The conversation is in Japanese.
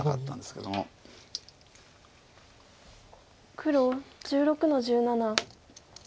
黒１６の十七。